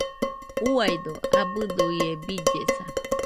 Uaido, abɨdo ie billesa.